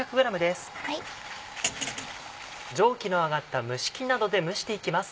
蒸気の上がった蒸し器などで蒸していきます。